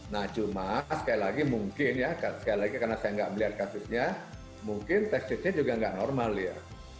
nah cuma sekali lagi mungkin ya sekali lagi karena saya nggak melihat kasusnya mungkin teknisnya juga nggak normal ya